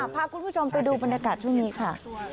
พาคุณผู้ชมไปดูบรรยากาศช่วงนี้ค่ะ